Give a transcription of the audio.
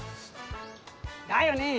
だよねぇ。